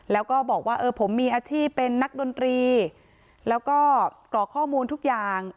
แล้วก็บอกว่าเออผมมีอาชีพเป็นนักดนตรีแล้วก็กรอกข้อมูลทุกอย่าง